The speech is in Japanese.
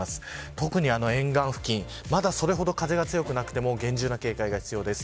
特に沿岸付近まだそれほど風は強くなくても厳重な警戒が必要です。